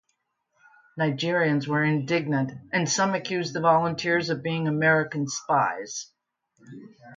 Nigerians were indignant, and some accused the volunteers of being American spies.